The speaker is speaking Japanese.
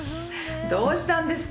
どうしたんですか？